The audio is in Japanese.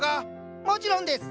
もちろんです！